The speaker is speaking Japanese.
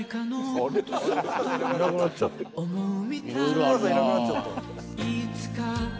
お母さんいなくなっちゃった